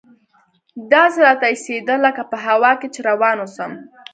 داسې راته اېسېده لکه په هوا کښې چې روان اوسم.